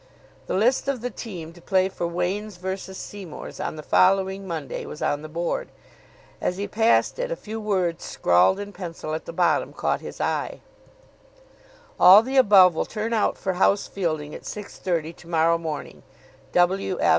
The list of the team to play for Wain's v. Seymour's on the following Monday was on the board. As he passed it, a few words scrawled in pencil at the bottom caught his eye. "All the above will turn out for house fielding at 6.30 to morrow morning.